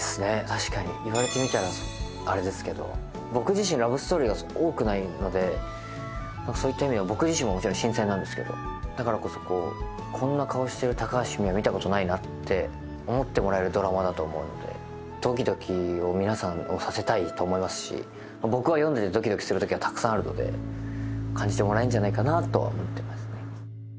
確かに言われてみたらあれですけど僕自身ラブストーリーが多くないのでそういった意味では僕自身ももちろん新鮮なんですけどだからこそなって思ってもらえるドラマだと思うのでドキドキ皆さんをさせたいと思いますし僕が読んでてドキドキするときはたくさんあるので感じてもらえるんじゃないかなと思ってますね